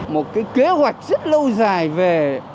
một cái kế hoạch rất lâu dài về